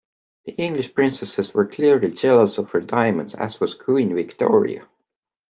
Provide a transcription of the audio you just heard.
The English princesses were clearly jealous of her diamonds, as was Queen Victoria.